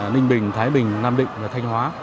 ninh bình thái bình nam định và thanh hóa